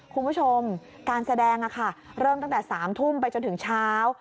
คุณผู้ชมการแสดงเริ่มตั้งแต่๓ทุ่มไปจนถึงเช้า